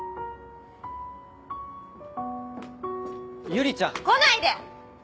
友里ちゃん。来ないで！